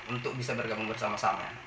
untuk bisa bergabung bersama sama